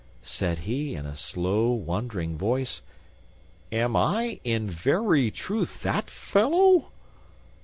Said he in a slow, wondering voice, "Am I in very truth that fellow?